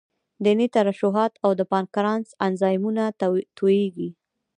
د ینې ترشحات او د پانکراس انزایمونه تویېږي.